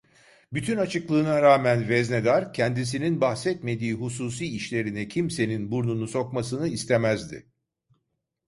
Bütün açıklığına rağmen veznedar, kendisinin bahsetmediği hususi işlerine kimsenin burnunu sokmasını istemezdi.